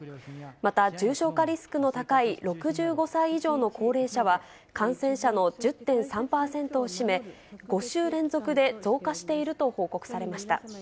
また、重症化リスクの高い６５歳以上の高齢者は、感染者の１０．３％を占め、５週連続で増加していると報告されました。